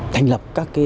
thành lập các tổ công tác